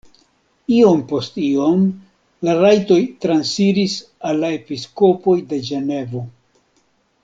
Iom post iom la rajtoj transiris al la episkopoj de Ĝenevo.